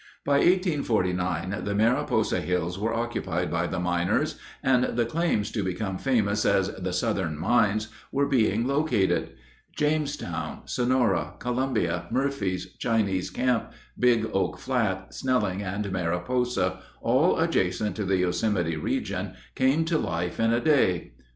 By 1849 the Mariposa hills were occupied by the miners, and the claims to become famous as the "Southern Mines" were being located. Jamestown, Sonora, Columbia, Murphys, Chinese Camp, Big Oak Flat, Snelling, and Mariposa, all adjacent to the Yosemite region, came to life in a day.